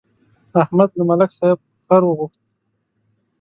احمد له ملک صاحب خر وغوښت.